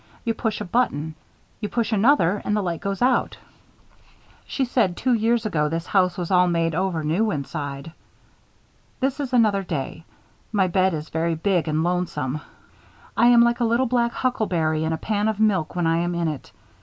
You push a button. You push another and the light goes out. She said two years ago this house was all made over new inside. This is another day. My bed is very big and lonesome. I am like a little black huckleberry in a pan of milk when I am in it.